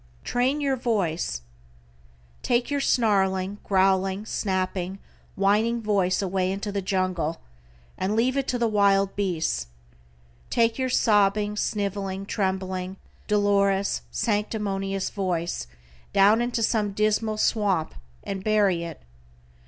=TRAIN YOUR VOICE:= Take your snarling, growling, snapping, whining voice away into the jungle and leave it to the wild beasts. Take your sobbing, sniveling, trembling, dolorous, sanctimonious voice down into some dismal swamp and bury it.